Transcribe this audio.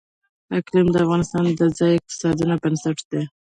اقلیم د افغانستان د ځایي اقتصادونو بنسټ دی.